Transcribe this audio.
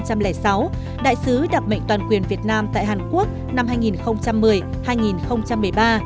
đặc mệnh toàn quyền việt nam tại hàn quốc năm hai nghìn một mươi hai nghìn một mươi ba